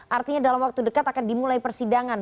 artinya dalam waktu dekat akan dimulai persidangan